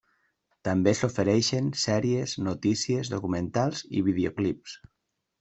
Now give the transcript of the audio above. També s'ofereixen sèries, notícies, documentals i videoclips.